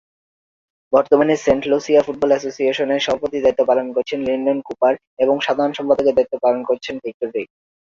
বর্তমানে Saint Lucia football অ্যাসোসিয়েশনের সভাপতির দায়িত্ব পালন করছেন লিন্ডন কুপার এবং সাধারণ সম্পাদকের দায়িত্ব পালন করছেন ভিক্টর রেইড।